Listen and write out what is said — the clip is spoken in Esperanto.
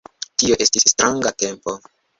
Tio estis stranga tempo!